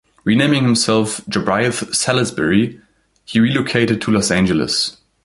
Renaming himself "Jobriath Salisbury", he relocated to Los Angeles.